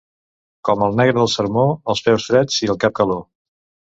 Com el negre del sermó, els peus freds i al cap calor.